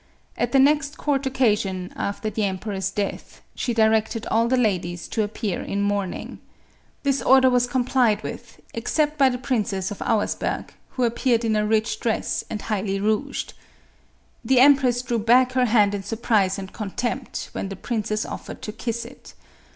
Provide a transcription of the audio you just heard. At the next court occasion, after the emperor's death, she directed all the ladies to appear in mourning. This order was complied with, except by the Princess of Auersburg, who appeared in a rich dress and highly rouged. The empress drew back her hand in surprise and contempt, when the princess offered to kiss it.